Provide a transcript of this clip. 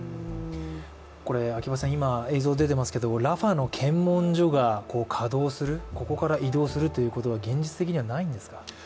これ、今映像出てますけどラファの検問所が稼働するここから移動するということは現実的にはないんですか？